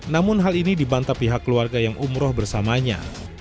namun hal ini dibantah pihak keluarga yang umroh bersamanya